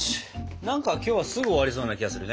何か今日はすぐ終わりそうな気がするね！